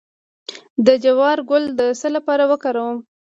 د جوار ګل د څه لپاره وکاروم؟